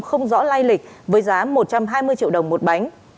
không rõ lai lịch với giá một trăm hai mươi triệu đồng một bánh